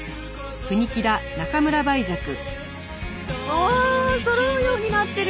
おおそろうようになってる。